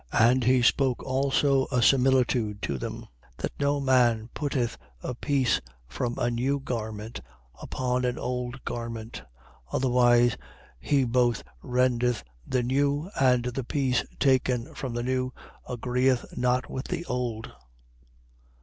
5:36. And he spoke also a similitude to them: That no man putteth a piece from a new garment upon an old garment: otherwise he both rendeth the new, and the piece taken from the new agreeth not with the old.